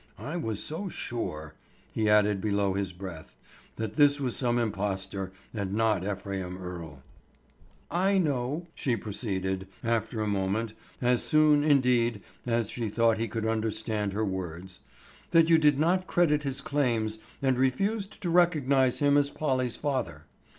"I was so sure," he added below his breath, "that this was some impostor, and not Ephraim Earle." "I know," she proceeded, after a moment, as soon, indeed, as she thought he could understand her words, "that you did not credit his claims and refused to recognize him as Polly's father.